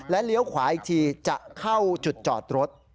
เลี้ยวขวาอีกทีจะเข้าจุดจอดรถ